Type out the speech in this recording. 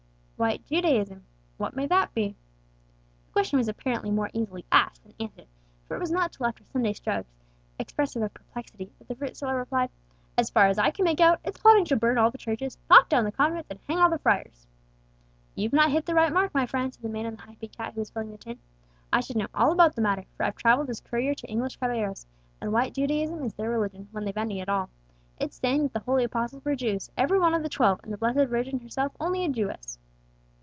"White Judaism! what may that be?" The question was apparently more easily asked than answered, for it was not till after sundry shrugs, expressive of perplexity, that the fruit seller replied: "As far as I can make out, it's plotting to burn all the churches, knock down the convents, and hang all the friars." "You've not hit the right mark, my friend," said the man in the high peaked hat who was filling the tin. "I should know all about the matter, for I've travelled as courier to English caballeros; and White Judaism is their religion, when they've any at all. It's saying that the holy apostles were Jews, every one of the twelve, and the blessed Virgin herself only a Jewess!"